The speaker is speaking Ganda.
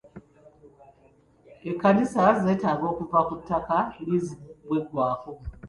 Ekkanisa zeetaaga okuva ku ttaka liizi bwe ziggwako.